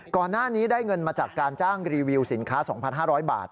ก่อนหน้านี้ได้เงินมาจากการจ้างรีวิวสินค้า๒๕๐๐บาท